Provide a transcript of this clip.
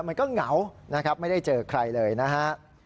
เหงานะครับไม่ได้เจอใครเลยนะฮะ